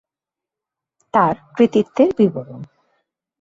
তার কৃতিত্বের বিবরণ